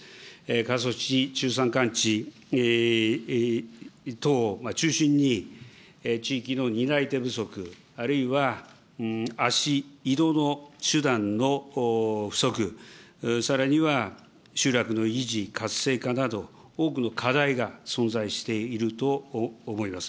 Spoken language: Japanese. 過疎地、中山間地等を中心に、地域の担い手不足、あるいは足、移動の手段の不足、さらには集落の維持・活性化など、多くの課題が存在していると思います。